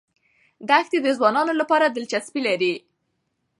دښتې د ځوانانو لپاره دلچسپي لري.